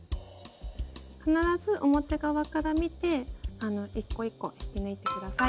必ず表側から見て一個一個引き抜いて下さい。